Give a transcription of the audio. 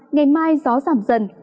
ngày mai gió giảm dần